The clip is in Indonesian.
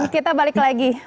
kita balik lagi